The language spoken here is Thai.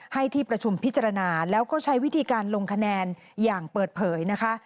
ให้ที่ประชุมพิจารณาแล้วก็ใช้วิธีการลงคะแนนอย่างเปิดเผยนะคะ